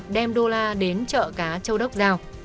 đem đô la đến chợ cá châu đốc giao